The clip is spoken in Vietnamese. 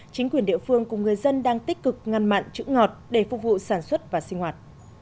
chính quyền địa phương cùng người dân đang tích cực ngăn mặn chữ ngọt để phục vụ sản xuất và sinh hoạt